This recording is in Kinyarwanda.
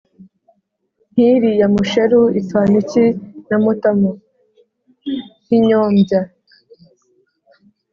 nk’iriya Musheru ipfana iki na Mutamu”? Nk’inyombya